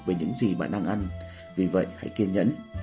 vì vậy hãy kiên nhẫn